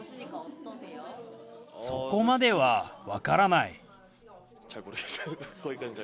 そこまでは分からない。